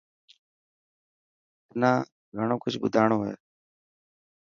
تنا گهڻيون ڪجهه مڍاڻو هي.